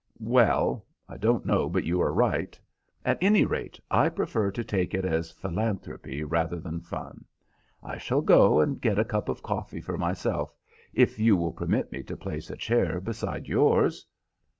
"Well, I don't know but you are right. At any rate, I prefer to take it as philanthropy rather than fun. I shall go and get a cup of coffee for myself, if you will permit me to place a chair beside yours?"